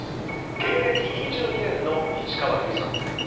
芸歴２２年の市川由衣さん。